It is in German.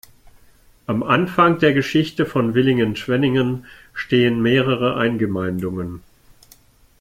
Am Anfang der Geschichte von Villingen-Schwenningen stehen mehrere Eingemeindungen.